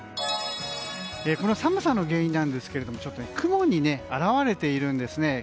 この寒さの原因なんですが雲に表れているんですね。